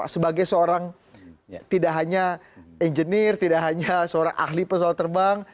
sebagai seorang tidak hanya engineer tidak hanya seorang ahli pesawat terbang